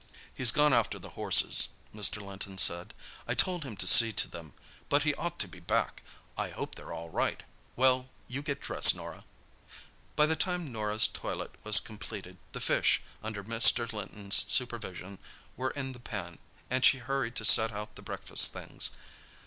"He's gone after the horses," Mr. Linton said. "I told him to see to them—but he ought to be back. I hope they're all right. Well, you get dressed, Norah." By the time Norah's toilet was completed the fish, under Mr. Linton's supervision, were in the pan, and she hurried to set out the breakfast things.